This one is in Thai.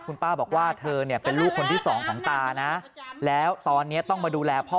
คุณป้าบอกว่าเธอเนี่ยเป็นลูกคนที่สองของตานะแล้วตอนนี้ต้องมาดูแลพ่อ